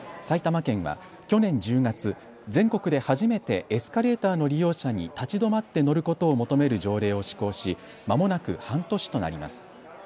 埼玉県は去年１０月、全国で初めてエスカレーターの利用者に立ち止まって乗ることを求める条例を施行しまもなく半年となります。